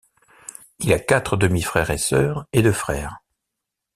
Il a quatre demi-frères-et-soeurs et deux frères.